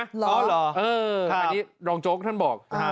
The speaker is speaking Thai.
อ๋อเหรอค่ะอันนี้รองโจ๊กท่านบอก